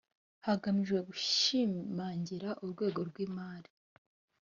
hagamijwe gushimangira urwego rw imari